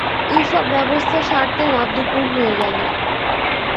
এইসব ব্যবস্থা সারতে রাতদুপুর হয়ে গেল।